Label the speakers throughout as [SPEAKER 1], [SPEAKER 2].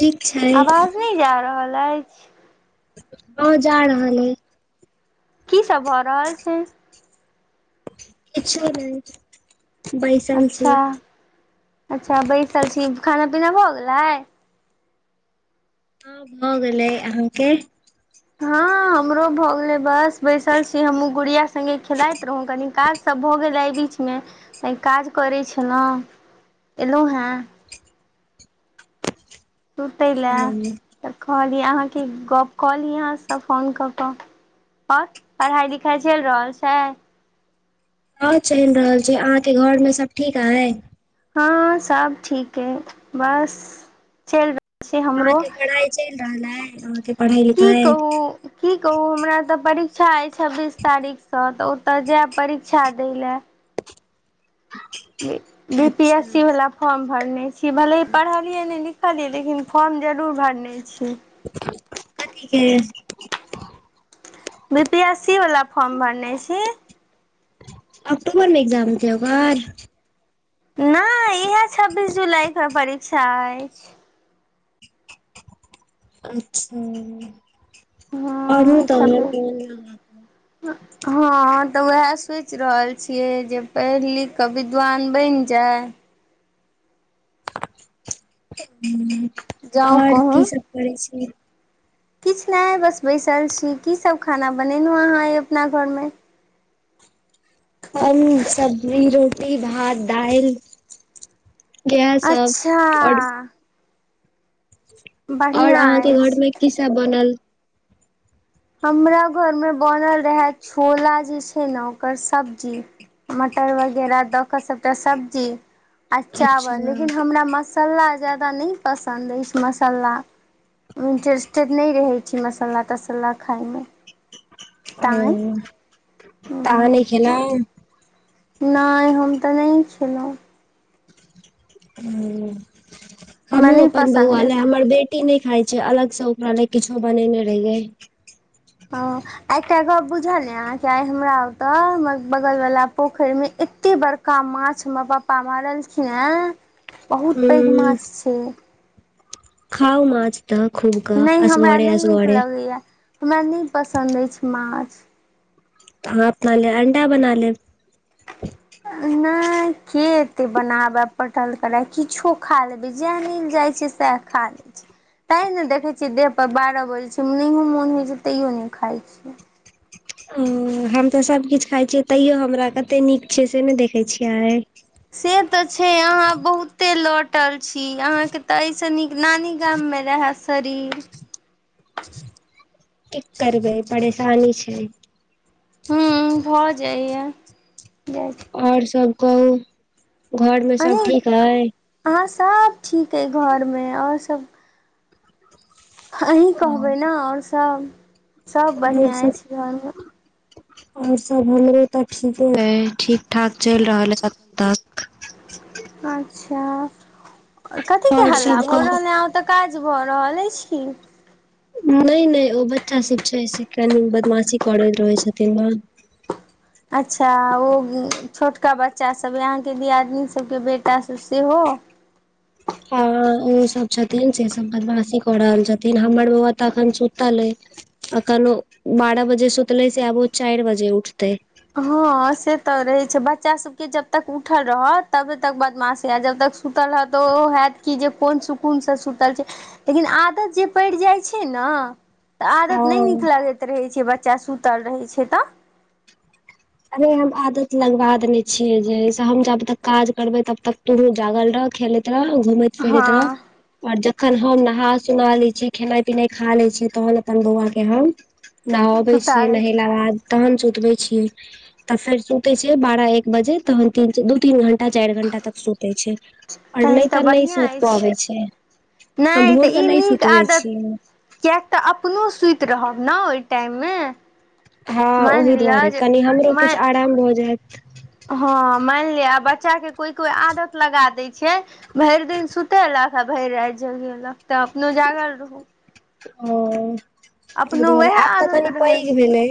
[SPEAKER 1] ठीक छय
[SPEAKER 2] नय जा रहल अछि
[SPEAKER 1] हँ जा रहल रहल अइछ
[SPEAKER 2] की सब भऽ रहल छय
[SPEAKER 1] कुछो नहि बैसल छी
[SPEAKER 2] अच्छा अच्छा बैसल छी खाना पीना भऽ गेलइ
[SPEAKER 1] हँ भऽ गेलै अहाँके
[SPEAKER 2] हँ हमरो भऽ गेलइ बस बैसल छी हमहुँ गुड़िया संगे खेलाइत रहौं कनी काज सब भऽ गेल अइ बीच मे काज करै छलौं एलौं हेँ सुतैला तऽ कहलियै अहाँकेँ गप्प कऽ ली अहाँसँ फोन कऽ कऽ ओर पढ़ाई लिखाई चलि रहल छै
[SPEAKER 1] हं चलि रहल छय अहाँके घरमें सब ठीक है
[SPEAKER 2] हँ सब ठीके है चएल
[SPEAKER 1] अहा के पढ़ाई चइल रहल है अहं के पढ़ाई लिख
[SPEAKER 2] की कहू की कहू हमरा तऽ परीक्षा अछि छब्बीस तारीखसँ तऽ ओतय जायब परीक्षा दइ लए बी पी एस
[SPEAKER 1] अच्छा
[SPEAKER 2] सी वला फॉर्म भरने छी भले पढ़ाई पढ़लियै नहि लिखलियै लेकिन फॉर्म जरूर भरने छीयइ
[SPEAKER 1] कथी के
[SPEAKER 2] बी पी एस सी वाला फॉर्म भरने छी
[SPEAKER 1] अक्टोबर में एग्जाम छै ओकर
[SPEAKER 2] नहि इहे छब्बीस जुलाई कऽ परीक्षा अछि
[SPEAKER 1] अच्छा आओरो तऽ [unintelligible]
[SPEAKER 2] हं हँ तऽ उएह सोचि रहल छियै जे पढ़ि लिख कऽ विद्वान बैन जाय
[SPEAKER 1] ओर की सब
[SPEAKER 2] जाउ
[SPEAKER 1] करै छी
[SPEAKER 2] किछ नहि बस बैसल छी की सब खाना बनेलहुँ अहाँ एहि अपना घरमे
[SPEAKER 1] प [unintelligible] सब्जी रोटी भात दालि इएह सब
[SPEAKER 2] अच्छा
[SPEAKER 1] ओर और
[SPEAKER 2] बढ़िआँ
[SPEAKER 1] अहाँके घर
[SPEAKER 2] अछि
[SPEAKER 1] में की सब बनल
[SPEAKER 2] हमरा घर में बनल रहय छोला जे छै ने ओकर सब्जी मटर वगैरह दऽ कऽ सबटा सब्जी आ चावल
[SPEAKER 1] अच्छा
[SPEAKER 2] लेकिन हमरा मसाला ज्यादा नइ पसन्द अछि मसाला इंटरेस्टेड नहि रहै छी मसाला तसाला खायमे
[SPEAKER 1] ओ
[SPEAKER 2] तैँ
[SPEAKER 1] तऽ अहाँ नहि खेलौं
[SPEAKER 2] नइ हम तऽ नहि छलहुँ
[SPEAKER 1] हूंम्म
[SPEAKER 2] हमरा
[SPEAKER 1] हमहुँ
[SPEAKER 2] नहि
[SPEAKER 1] अपन
[SPEAKER 2] पसन्द अछि
[SPEAKER 1] बौआले हमर बेट कु नहि खाय छै अलग से ओकरा नहि किछो बनेनै रहिये
[SPEAKER 2] हं आ क गप बुझल अहाँ के आ हमरा ओते हमर बगल वालला पोखरि में एते बड़का पका माछ हमर पापा मारलखिन हे बहुत पैघ माछ
[SPEAKER 1] हूँ
[SPEAKER 2] छय
[SPEAKER 1] खाउ माछ तऽ खूब कऽ
[SPEAKER 2] नहि हमरा
[SPEAKER 1] असगड़े
[SPEAKER 2] नहि नीक
[SPEAKER 1] असगड़े
[SPEAKER 2] लगैया हमरा नहि पसन्द अइछ माछ
[SPEAKER 1] आ अपना लय अंडा बना लेब
[SPEAKER 2] [inaudible] के एते बनावे पटल करे किछो खा लेबे जह मिल जाय छै सएह खा ले छै तैं ने देखैत छियै देह पर बारह बजैत छै नहियो मोन होइत छै तैयो नहि खाइत छियै
[SPEAKER 1] ओ हम तऽ सब किछु खाइ छियै तैयो हमरा कते नीक छै से नाए देखैत छियै
[SPEAKER 2] से तऽ छै अहाँ बहुते लौटल छी अहाँके तऽ एहिसँ नीक नानी गाममे रहै शरीर
[SPEAKER 1] की करबै परेशानी छै
[SPEAKER 2] हूँ भऽ जाइये बस
[SPEAKER 1] और सब कहू घर मे सब ठीक अय
[SPEAKER 2] हाँ सब ठीक अइ घरमे आओर सभ अहीं कहबै ने और सब सब
[SPEAKER 1] आओर
[SPEAKER 2] बढ़िआँ अछि घरमे
[SPEAKER 1] [unintelligible] है ठीक ठाक चलि रहल [unintelligible]
[SPEAKER 2] अच्छ कथी कि
[SPEAKER 1] आओर
[SPEAKER 2] हल्ला
[SPEAKER 1] सब
[SPEAKER 2] भर
[SPEAKER 1] कहू
[SPEAKER 2] रहल तऽ काज भऽ रहल अछि
[SPEAKER 1] नहि नहि ओ बच्चा सब छै से कनि बदमाशी करैत रहै छथिन
[SPEAKER 2] अच्छा ओ छोटका बच्चा सभ अहाँके दियादनी सबके बेटा सभ सेहो
[SPEAKER 1] [inaudible] ओ सब छथिन से सब बदमाशी कऽ रहल छथिन हमर बौआ तऽ अखन सुतल अइ अखन ओ बारह बजे सुतले से आब वो चार बजे उठतै
[SPEAKER 2] हँ से तऽ रहे छै बच्चा सबके जबतक उठल रहत तब तक बदमाशी आ जब तक सुतल रहत तऽ ओ होयैत कि जे कोन सुकूनसँ सुतल छै लेकिन आदत जे पड़ि जाइत छै न तऽ आदत नहि
[SPEAKER 1] हँ
[SPEAKER 2] नीक लगैत रहै छै बच्चा सुतल रहै छै तऽ
[SPEAKER 1] अरे हम आदत लगबा देने छियै जइ सऽ हम जब तक काज करबे तब तक तूहूं जागल रह खेले घूमैत फिरैत
[SPEAKER 2] हँ
[SPEAKER 1] रहब और जखन हम नहा सुना ले छियै खेनाइ पिनाइ खा ले छियै तहन अपन बौआ के हम नहाबे
[SPEAKER 2] सुता
[SPEAKER 1] छीयै
[SPEAKER 2] दै छै
[SPEAKER 1] नहेला के बाद तहन सुतबे छीयै तऽ फेर सुते छै बारह एक बजे तहन दू तीन घंटा चार घण्टा तक सुते छै और
[SPEAKER 2] तहन
[SPEAKER 1] नहि तऽ नहि
[SPEAKER 2] बढ़िआँ
[SPEAKER 1] सुइत पाबै
[SPEAKER 2] अछि
[SPEAKER 1] छै हम
[SPEAKER 2] नहि तऽ
[SPEAKER 1] भोरके
[SPEAKER 2] ई
[SPEAKER 1] नाए
[SPEAKER 2] नीक
[SPEAKER 1] सुतबै
[SPEAKER 2] आदत
[SPEAKER 1] छी
[SPEAKER 2] किएक तऽ अपनो सुति रहब ने ओहि टाइम मे
[SPEAKER 1] हँ ओहि दुआरे कनि हमते किछ
[SPEAKER 2] मानि
[SPEAKER 1] आराम भऽ जायत
[SPEAKER 2] हँ मानि लिअ आ बच्चा के कोई कोई आदत लगा दै छै भरि दिन सुतेलक भैर राइत जगेलक तऽ अपनो जागल रहू
[SPEAKER 1] ओ तैए
[SPEAKER 2] अपनो
[SPEAKER 1] दुआरे
[SPEAKER 2] उएह
[SPEAKER 1] आब तऽ
[SPEAKER 2] आदत
[SPEAKER 1] कनि
[SPEAKER 2] रहै
[SPEAKER 1] पैघ
[SPEAKER 2] छै
[SPEAKER 1] भेलै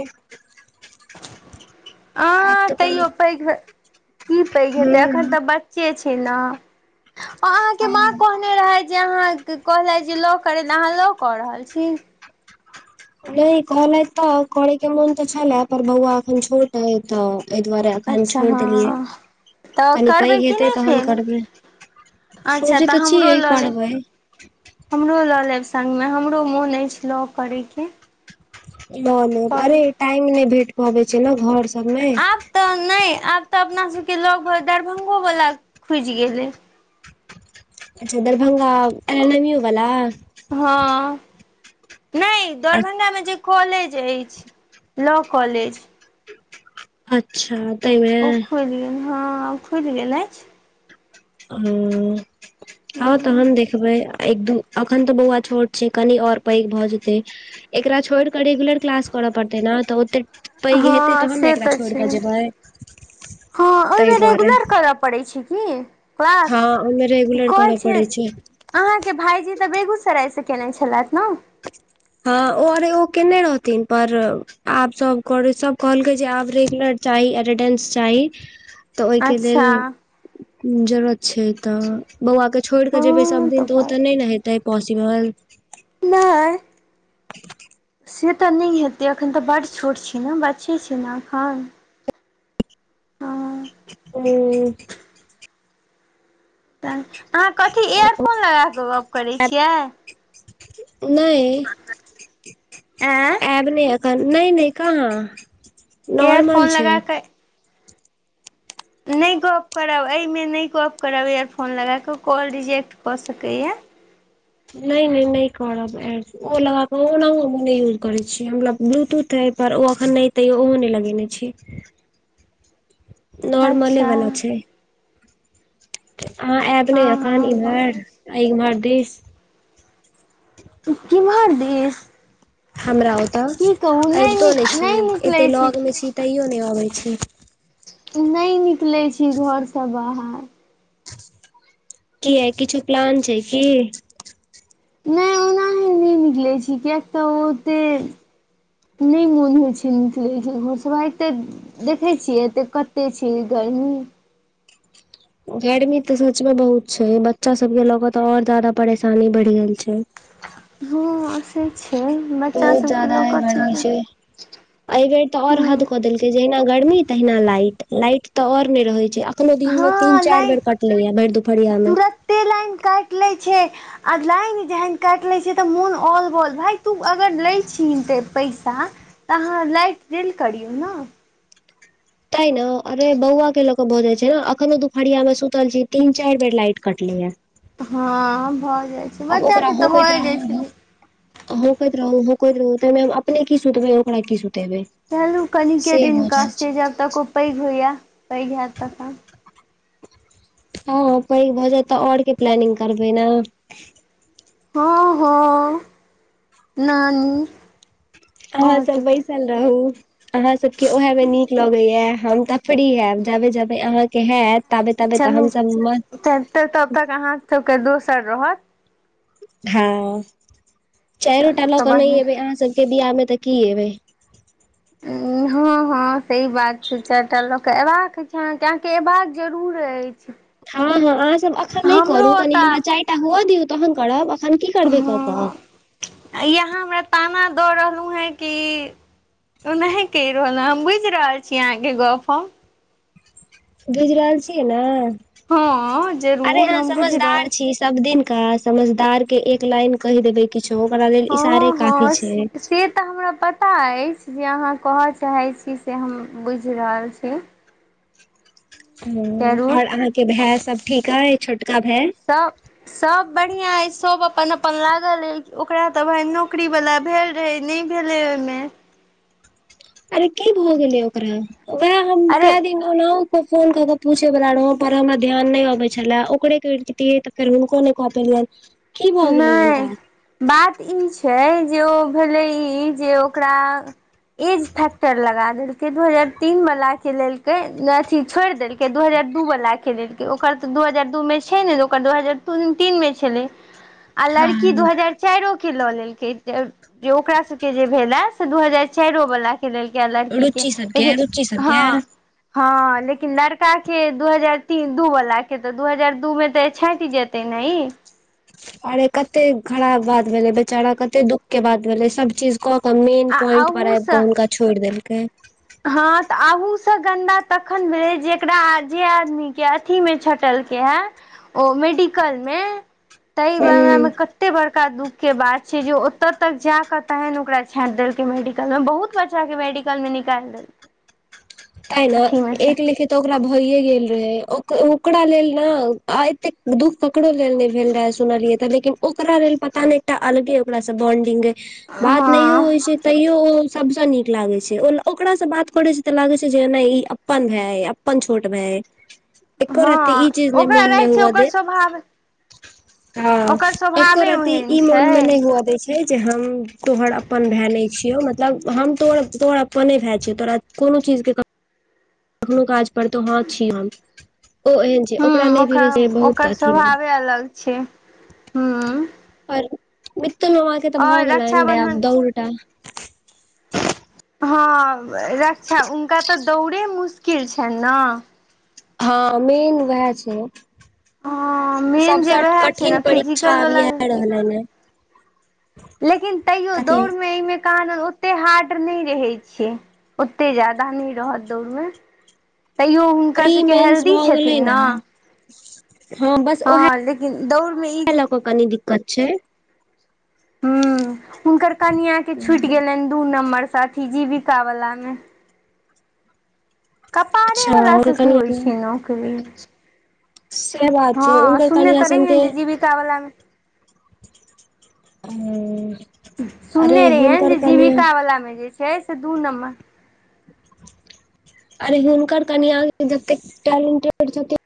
[SPEAKER 1] आब
[SPEAKER 2] आं
[SPEAKER 1] तऽ
[SPEAKER 2] तैयो
[SPEAKER 1] कनि
[SPEAKER 2] पैघ की पैघ
[SPEAKER 1] हूं
[SPEAKER 2] हेतै एखन तऽ बच [unintelligible] अहाँके माँ कह कहने रहैथ जे अहाँके कहलथि जे लॉ करे अहाँ लॉ कऽ रहल छी
[SPEAKER 1] नहि कहलैथ तऽ करै के मोन तऽ छलै पर बौआ अखन छोट है तऽ एहि दुआरे एखन
[SPEAKER 2] अच्छा
[SPEAKER 1] छोड़ देलियै
[SPEAKER 2] हँ तऽ
[SPEAKER 1] कनी पैघ
[SPEAKER 2] करबै कि
[SPEAKER 1] हेतै
[SPEAKER 2] नहि
[SPEAKER 1] तखन
[SPEAKER 2] फेर
[SPEAKER 1] करबै
[SPEAKER 2] अच्छा
[SPEAKER 1] सोचै तऽ
[SPEAKER 2] हमरो
[SPEAKER 1] छियै
[SPEAKER 2] लऽ लेब
[SPEAKER 1] करबै
[SPEAKER 2] हमरो लऽ लेब संग गमे हमरो मोन अछि लॉ करयके
[SPEAKER 1] ल लेब अरे टाइम नहि भेट पाबै छै ने घर सबमे
[SPEAKER 2] आब तऽ नाऐ आब तऽ अपना सबके लगभग दरभंगो वला खुजि गेलै
[SPEAKER 1] अच्छ दरभंगा एलनमयू बला
[SPEAKER 2] हँ नहि दरभंगा जे कॉलेज अछि लॉ कॉलेज
[SPEAKER 1] अच्छ
[SPEAKER 2] ओ खुल गेल हँ खुलि गेल अछि
[SPEAKER 1] ह [unintelligible] तहन देखबै एक दू अखन तऽ बौआ छोट छै कनि और पैघ भऽ जेतै एकरा छोड़ि कऽ रेगुलर क्लास करऽ पड़तै ने तऽ ओतेक पैघ हेतै
[SPEAKER 2] हँ
[SPEAKER 1] तऽ हम
[SPEAKER 2] से
[SPEAKER 1] ने एकरा छोड़ि
[SPEAKER 2] छै
[SPEAKER 1] कऽ जेबै
[SPEAKER 2] हँ
[SPEAKER 1] ताहि
[SPEAKER 2] ओहिमे
[SPEAKER 1] दुआरे
[SPEAKER 2] रेगुलर करय पड़ैत छै की क्लास
[SPEAKER 1] हँ ओहिमे रेगुलर
[SPEAKER 2] कहै
[SPEAKER 1] करऽ
[SPEAKER 2] छै।
[SPEAKER 1] पड़ै
[SPEAKER 2] अहाँक भायजी तऽ बेगूसराय सँ केने छलथि न
[SPEAKER 1] हँ ओरे-ओ केने रहथिन पर आब सभ कऽ सभ कहलकै जे आब रेगुलर चाहि अटेंडेंस चाहि तऽ ओके लेल
[SPEAKER 2] अच्छा
[SPEAKER 1] जरूरत छै तऽ बौआके छोड़ि कऽ जेबै
[SPEAKER 2] हँ
[SPEAKER 1] सभ दिन, तऽ ओ
[SPEAKER 2] भाय
[SPEAKER 1] तऽ नहि न हेतै, पोसिबल
[SPEAKER 2] नहि से तऽ नहि हेतै एखन तऽ बड छोट छै ने बच्चे छै न एखन हँ
[SPEAKER 1] [inaudible]
[SPEAKER 2] तहन अहाँ कथी एयरफोन लग‌ए कऽ गप्प करै छियै
[SPEAKER 1] नहि
[SPEAKER 2] आँय
[SPEAKER 1] आब नहि, एखन नहि नहि, कहां नॉर्मल
[SPEAKER 2] इयरफोन
[SPEAKER 1] छै।
[SPEAKER 2] लगा कऽ नहि गप करब एहिमे नहि गप करब इयरफोन लगा कऽ कॉल रिजेक्ट कऽ सकैए
[SPEAKER 1] नहि नहि नहि करब ए ओ लगाक ओना हम नहि यूज करै छी हमरा ब्लूटूथ एप पर ओ अखन नहि तैयो ओहो नहि लगेने छी नॉर्मले
[SPEAKER 2] अच्छा
[SPEAKER 1] वाला छै अहाँ आयब ने
[SPEAKER 2] हँ
[SPEAKER 1] एखन,
[SPEAKER 2] हँ भऽ गेल छै।
[SPEAKER 1] इम्हर-इम्हर दिस
[SPEAKER 2] किमहर दिस
[SPEAKER 1] हमरा ओतऽ
[SPEAKER 2] की कहू
[SPEAKER 1] अबितो
[SPEAKER 2] निक
[SPEAKER 1] नहि छी
[SPEAKER 2] निकलै
[SPEAKER 1] एते लग मे छी तैयो नहि अबै छी
[SPEAKER 2] नहि निकलै छी, घरसँ बाहर
[SPEAKER 1] कि य किछु प्लान छै की
[SPEAKER 2] नहि ओनाही नहि निकलै छी किएक तऽ ओते नहि मोन होय छै नीकलै छै घर उन्हैते देखैत छी, एते कते छै गर्मी
[SPEAKER 1] गर्मी तऽ सच मे बहुत छै बच्चा सब के लऽ क तऽ आओर जादा परेशानी बढ़ि गेल छै
[SPEAKER 2] हँ से छै बच्चा
[SPEAKER 1] बहुत
[SPEAKER 2] सभके
[SPEAKER 1] ज्यादा
[SPEAKER 2] ल
[SPEAKER 1] गर्मी
[SPEAKER 2] क
[SPEAKER 1] छै एहि बेर तऽ आउर हद कऽ देलकै जहिना गर्मी, तहिना लाइट लाइट तऽ आओर नहि रहै छै एखनहुँ दिनमे
[SPEAKER 2] हँ
[SPEAKER 1] तीन-चारि बेर कटलै अय भरि दुपहरियामे।
[SPEAKER 2] के लाइन काटि लै छै। आ लाइन जहन काटि लै छै, तऽ मोन औल बौल भाय, जहन तु लै छि पैसा तऽ अहाँ लाइट देल करियौ न
[SPEAKER 1] तै न अरे बौआके लऽ कऽ भऽ जाय छै न अखनो दुपहरियामे सुतल छी, तीन-चारि बेर लाइट कटलै हं
[SPEAKER 2] हँ भऽ जाय छै बच्चाके तऽ भए जाय छलै
[SPEAKER 1] होकैत रहू होकैत रहु ताहिमे हम अपने की सुतबै ओकरा की सुतेबै
[SPEAKER 2] छलहुँ कनिके
[SPEAKER 1] से
[SPEAKER 2] दिन
[SPEAKER 1] भऽ जाइ
[SPEAKER 2] कष्ट छै जब तक ओ पैघ होइए पैघ हयैत तखन
[SPEAKER 1] हँ हँ, पैघ भऽ जाए तऽआओर के प्लानिंग करबै न
[SPEAKER 2] हँ हँ नानी
[SPEAKER 1] अहाँ
[SPEAKER 2] और
[SPEAKER 1] सब
[SPEAKER 2] ककर
[SPEAKER 1] बैसल रहू अहाँ सबके उएहे मे नीक लगैया हम तऽ फ्री हयब, जाबे जाबे अहाँक हेत
[SPEAKER 2] चलू तब तक अहाँ सबके दोसर रहत
[SPEAKER 1] हँ चाइरो टा
[SPEAKER 2] चलू
[SPEAKER 1] लऽ
[SPEAKER 2] तऽ
[SPEAKER 1] क नहि
[SPEAKER 2] बढ़िआँ
[SPEAKER 1] एबै अहाँ सब के बिहामे तऽ की एबै
[SPEAKER 2] ह हँ हँ, सही बात छै। चारिटा लऽ कऽ अयबाक छै अहाँके अयबाक जरूर अछि।
[SPEAKER 1] हँ हँ, अहाँसभ एखन नहि
[SPEAKER 2] हमरो
[SPEAKER 1] करू। कनि हमरा
[SPEAKER 2] ओतऽ
[SPEAKER 1] चारिटा हुअ दियौ, तहन करब। एखन की करबै, कऽ क
[SPEAKER 2] यहाँ हमरा ताना दऽ रहलहुँ हेँ कि ओना कऽ रहल न हम बुझि रहल छी अहाँक गप।
[SPEAKER 1] बुझि रहल छियै ने
[SPEAKER 2] हँ
[SPEAKER 1] अरे
[SPEAKER 2] जरूर
[SPEAKER 1] अहाँ
[SPEAKER 2] हम बुझि रहल
[SPEAKER 1] समझदार छी सब दिन समझदार लेल एक लाइन कहि देब, किछु ओकरा लेल इशारो
[SPEAKER 2] हँ
[SPEAKER 1] काफी
[SPEAKER 2] हँ
[SPEAKER 1] छै।
[SPEAKER 2] से तऽ हमरा पता अछि जे अहाँ कहऽ चाहैत छी से हम ब बुइझ रहल छी जरूर
[SPEAKER 1] आ अहाँक भायसभ ठीक छथि? छोटका भाय सेहो ठीक छथि ने
[SPEAKER 2] तऽ सभ बढ़िआ अछि, सभ अपन-अपनमे लागल अछि ओकरा तऽ भाय नौकरीवला भऽ गेल नीक भेलै ओहि में
[SPEAKER 1] अरे की भऽ गेलै ओकरा ओकरा हम
[SPEAKER 2] अरे
[SPEAKER 1] कय दिन ओना के फोन क के पूछे बला रह पर हमरा ध्यान नहि अबे छले ओकरे कह तियै तऽ फेर हूनको नै कपेलियैन
[SPEAKER 2] नइ बात ई छै जे ओ भेलै ई जे ओकरा एज फैक्टर लगा देल के दू हजार तीन वला के लेल के अथी छोड़ देल के दू हजार दू वलाके लेल ओकर तऽ दू हजार दू में छै नहि ओकर दू हजार तीनमे छलै आ लड़की दू
[SPEAKER 1] हँ
[SPEAKER 2] हजार चारो के लऽ लेलकइ जे ओकरा सब के जे भेल हा से दू हजार चारो वला लेलक लड़कीके
[SPEAKER 1] रुचि सबके
[SPEAKER 2] लेकिन
[SPEAKER 1] रुचि सबके
[SPEAKER 2] हँ हँ मुदा लड़काके दू हजार तीन वाला आ दू हजार दू वाला के तऽ दू हजार दू में छँटि जाएत। तऽ नहि
[SPEAKER 1] अरे, कते खराब बात भेलै। बेचारा, कते दुःखक बात भेलै सब चीज। मेन
[SPEAKER 2] आ
[SPEAKER 1] पॉइंट पर आइब कऽ
[SPEAKER 2] अहूसँ
[SPEAKER 1] हुनका छोड़ि देलकै।
[SPEAKER 2] हँ, तऽ अहाँसँ गन्दा तखन भेलइ, जेकरा जे आदमी अमे छटलके छै, ओ मेडिकलमे। ताहि
[SPEAKER 1] हूं
[SPEAKER 2] हिसाबे कतेक बड़का बात छइ दुखक बात छै जे ओतऽ तक जा कऽ तखन ओकरा मेडिकल में बहुत छाँटि देलकै। बच्चाके मेडिकल में निकालि देलतै।
[SPEAKER 1] तैंन एक लिखित ओकरा भयए गेल रहइ ओकरा लेल ने एते दुःख एकरो लेल नहि भेल रहै, सुनलियै। लेकिन ओकरा लेल पता नय, एकटा अलगे ओकरासँ बॉन्डिंग छल। बात नहियो
[SPEAKER 2] हँ
[SPEAKER 1] होइ छय तैयो ओ सबसँ नीक लागै छै ओ ओकासँ बात करै छै तऽ लागै छै जेने ई अपन-अपन भए, अपन-अपन छोट भय एको रत्ती ई
[SPEAKER 2] हँ
[SPEAKER 1] चीज
[SPEAKER 2] ओकरा
[SPEAKER 1] मोन में
[SPEAKER 2] रहै
[SPEAKER 1] नहि
[SPEAKER 2] छै
[SPEAKER 1] होइत
[SPEAKER 2] ओकर स्वभाव
[SPEAKER 1] अछि। हँ
[SPEAKER 2] ओकर स्वभावे
[SPEAKER 1] एकराति
[SPEAKER 2] ओहन
[SPEAKER 1] ई
[SPEAKER 2] छै
[SPEAKER 1] मन म हुआ दै छय जे हम तोहर अपन नहि छियौ, मतलब हम तोहरे अपन छियौ। तोरा कोनो चीजक चिन्ता करबाक जरूरत नइ अछि। अखनो काज पर तऽ हम छी, हम ओ छै
[SPEAKER 2] ह
[SPEAKER 1] ओकरा नहि भेलै
[SPEAKER 2] ओकर
[SPEAKER 1] से बहुत
[SPEAKER 2] ओकर
[SPEAKER 1] अथी भेलै
[SPEAKER 2] स्वभावे अलग छै हूँ
[SPEAKER 1] आर मितुल ममाा के तऽ
[SPEAKER 2] और
[SPEAKER 1] भऽ गेल
[SPEAKER 2] रक्षाबंधन
[SPEAKER 1] दौरटा
[SPEAKER 2] हँ रक्षा हुनका तऽ दौड़े मुश्किल छइन न
[SPEAKER 1] हँ मेन वएह छय
[SPEAKER 2] हँ मेन जे
[SPEAKER 1] सभसँ
[SPEAKER 2] वएह छै
[SPEAKER 1] कठिन
[SPEAKER 2] ने
[SPEAKER 1] परीक्षा
[SPEAKER 2] फिजिकल
[SPEAKER 1] आब
[SPEAKER 2] वला
[SPEAKER 1] ईएह रहलइ ह
[SPEAKER 2] लेकिन तैयो दौड़मे एहिमें कहान ओते हार्ड नय रहत। ओते जादा दौड़-धूप सेहो नहि रहत। तैयो हुनकर
[SPEAKER 1] प्री
[SPEAKER 2] सभ
[SPEAKER 1] मेन्स भऽ
[SPEAKER 2] स्वस्थ छइथ
[SPEAKER 1] गेलै
[SPEAKER 2] ने?
[SPEAKER 1] हँ बस ओएह
[SPEAKER 2] हँ लेकिन दौड़ में ई जे
[SPEAKER 1] लऽ कऽ कनी दिक्कत छय
[SPEAKER 2] हँ, हुनकर कनियाँके दू नम्बर सँ छूटि गेलनि जीविका वाला में।
[SPEAKER 1] अच्छा
[SPEAKER 2] कपारवला
[SPEAKER 1] हुनकर
[SPEAKER 2] सब की होइत
[SPEAKER 1] कनिया
[SPEAKER 2] छय? नौकरी?
[SPEAKER 1] से बात छै
[SPEAKER 2] हँ
[SPEAKER 1] हुनकर
[SPEAKER 2] सुनने
[SPEAKER 1] कनिया
[SPEAKER 2] तऽ रहिें जे जीविता वला में
[SPEAKER 1] हू
[SPEAKER 2] सुनने रहियैनि जे जीविका वलामे जे छै से दू नम्बर
[SPEAKER 1] अरे, हुनकर कनियाँ तऽ जतेक टैलेंटेड छथि।